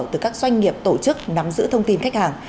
từ các doanh nghiệp tổ chức nắm giữ thông tin khách hàng